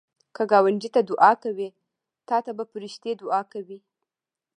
که ګاونډي ته دعا کوې، تا ته به فرښتې دعا کوي